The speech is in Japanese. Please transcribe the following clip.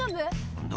何だ？